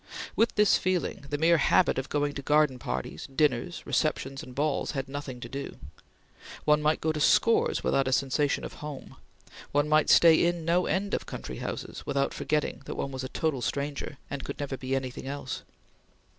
With this feeling, the mere habit of going to garden parties, dinners, receptions, and balls had nothing to do. One might go to scores without a sensation of home. One might stay in no end of country houses without forgetting that one was a total stranger and could never be anything else.